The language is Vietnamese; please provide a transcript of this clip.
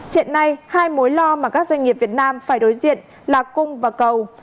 hiện nay hai mối lo mà các doanh nghiệp việt nam phải đối diện là cung và cầu